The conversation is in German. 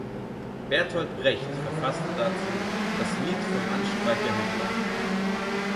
Bertolt Brecht verfasste dazu "Das Lied vom Anstreicher Hitler".